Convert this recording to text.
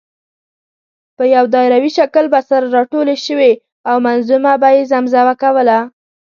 په یو دایروي شکل به سره راټولې شوې او منظومه به یې زمزمه کوله.